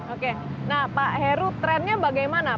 oke nah pak heru trennya bagaimana